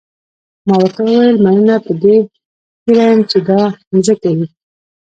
ما ورته وویل مننه په دې هیله یم چې دا مځکه وي.